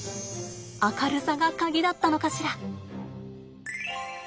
明るさが鍵だったのかしら。